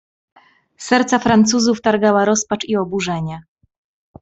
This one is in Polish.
"Serca Francuzów targała rozpacz i oburzenie."